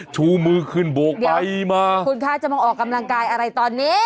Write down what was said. ชูมือขึ้นโบกไปมาคุณคะจะมาออกกำลังกายอะไรตอนนี้